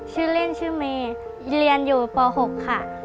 ชื่อเล่นชื่อเมย์เรียนอยู่ป๖ค่ะ